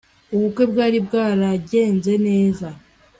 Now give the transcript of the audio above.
ubukwe bwari bwaragenze neza